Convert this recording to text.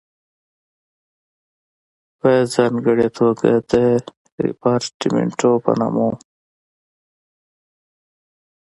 په ځانګړې توګه د ریپارټیمنټو په نامه وو.